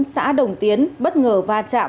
xã đồng tiến bất ngờ va chạm